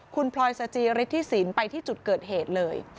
คุณพรอยสจิริษฐศิลป์ไปที่จุดเกิดเหตุเลย